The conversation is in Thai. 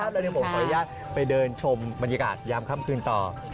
แล้วเดี๋ยวผมขออนุญาตไปเดินชมบรรยากาศยามค่ำคืนต่อ